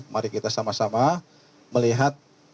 mari kita sama sama melihat